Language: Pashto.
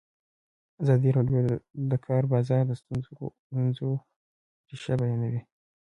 ازادي راډیو د د کار بازار د ستونزو رېښه بیان کړې.